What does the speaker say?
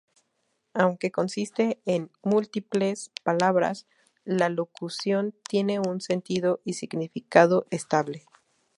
Aunque consiste en múltiples palabras, la locución tiene un sentido y significado estable.